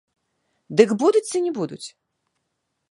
Дык будуць ці не будуць?